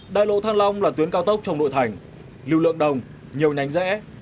đại lộ thăng long là tuyến cao tốc trong nội thành lưu lượng đồng nhiều nhánh rẽ